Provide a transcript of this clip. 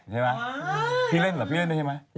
ใช่ไหม